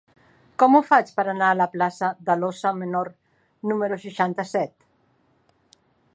Com ho faig per anar a la plaça de l'Óssa Menor número seixanta-set?